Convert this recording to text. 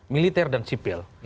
militer dan sipil